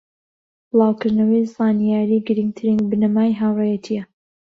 بڵاوکردنەوەی زانیاری گرنگترین بنەمای هاوڕێیەتیە